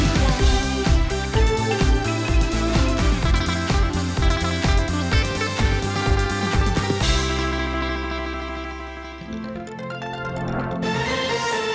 ยัยยัยยัยยัยยัย